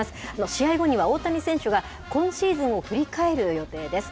試合後には大谷選手が今シーズンを振り返る予定です。